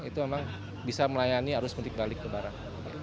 itu memang bisa melayani arus mudik balik ke barang